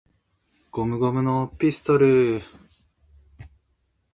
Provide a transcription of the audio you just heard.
ゴムゴムのピストル!!!